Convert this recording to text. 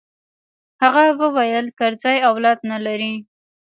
هغه وويل کرزى اولاد نه لري.